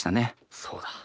そうだ。